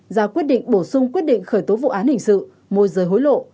ra quyết định bổ sung quyết định khởi tố vụ án hình sự môi rời hối lộ